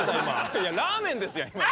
いやラーメンですやん今の。